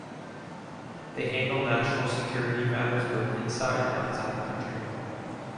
They handle national security matters both inside and outside the country.